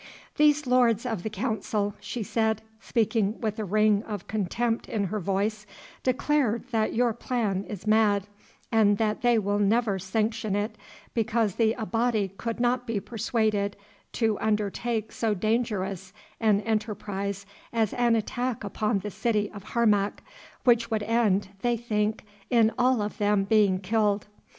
"These lords of the Council," she said, speaking with a ring of contempt in her voice, "declare that your plan is mad, and that they will never sanction it because the Abati could not be persuaded to undertake so dangerous an enterprise as an attack upon the city of Harmac, which would end, they think, in all of them being killed.